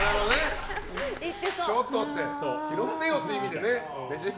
ちょっと拾ってよって意味でね。